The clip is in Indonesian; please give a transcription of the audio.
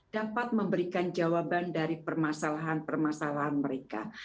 dapat memberikan jawaban dari permasalahan permasalahan mereka